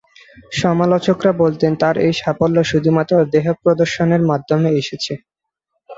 সমালোচকরা বলতেন তার এই সাফল্য শুধুমাত্র দেহ প্রদর্শনের মাধ্যমে এসেছে।